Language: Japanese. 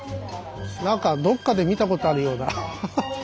何かどっかで見たことあるような。